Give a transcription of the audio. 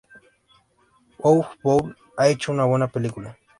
Uwe Boll ha hecho una buena película.